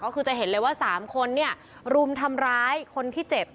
ก็คือจะเห็นเลยว่า๓คนรุมทำร้ายคนที่เจ็บ